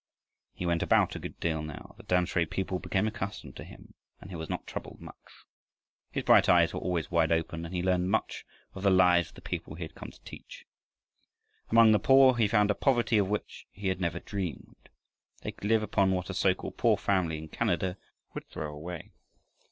He went about a good deal now. The Tamsui people became accustomed to him, and he was not troubled much. His bright eyes were always wide open and he learned much of the lives of the people he had come to teach. Among the poor he found a poverty of which he had never dreamed. They could live upon what a so called poor family in Canada would throw away.